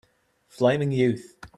Flaming youth